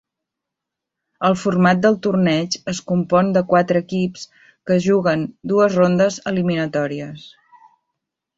El format del torneig es compon de quatre equips que juguen dues rondes eliminatòries.